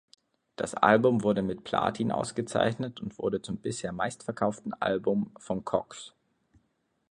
Das Album wurde mit Platin ausgezeichnet und wurde zum bisher meistverkauften Album von Cox.